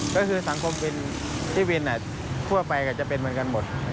ก็คือสังคมวินที่วินทั่วไปก็จะเป็นเหมือนกันหมด